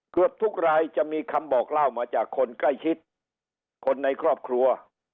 เกือบทุกรายจะมีคำบอกเล่ามาจากคนใกล้ชิดคนในครอบครัว